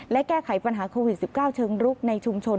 และแก้ไขปัญหาโควิด๑๙เชิงรุกในชุมชน